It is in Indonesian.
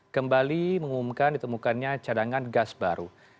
kembali mengumumkan ditemukannya cadangan gas baru